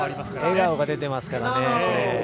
笑顔が出てますからね。